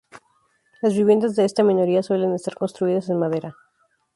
Las viviendas de esta minoría suelen estar construidas en madera.